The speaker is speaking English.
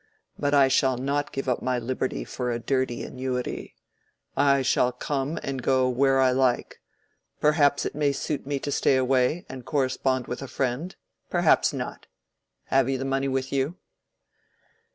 But I shall not give up my liberty for a dirty annuity. I shall come and go where I like. Perhaps it may suit me to stay away, and correspond with a friend; perhaps not. Have you the money with you?"